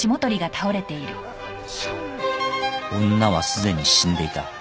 女はすでに死んでいた。